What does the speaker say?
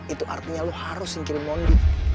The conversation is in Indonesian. itu artinya lo harus singkir mondi